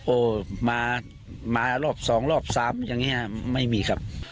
โอ้มารอบสองรอบสามอย่างนี้ไม่มีครับ